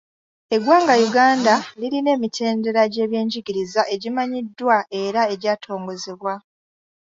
Eggwanga Uganda lirina emitendera gy’ebyenjigiriza egimanyiddwa era egyatongozebwa.